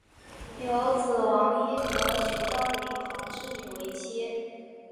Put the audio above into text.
有子王尹和娶张云航之女为妻。